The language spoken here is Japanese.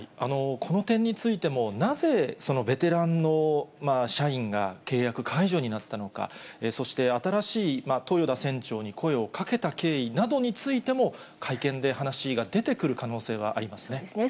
この点についても、なぜベテランの社員が契約解除になったのか、そして、新しい豊田船長に声をかけた経緯などについても、会見で話が出てくる可能性はありますね。